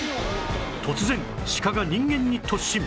突然シカが人間に突進